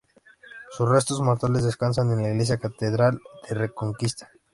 Sus restos mortales descansan en la Iglesia Catedral de Reconquista.